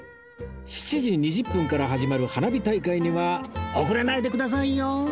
７時２０分から始まる花火大会には遅れないでくださいよ！